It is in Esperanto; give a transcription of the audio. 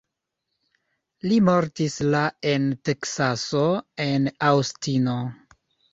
Li mortis la en Teksaso en Aŭstino.